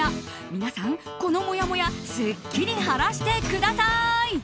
皆さん、このもやもやすっきり晴らしてください！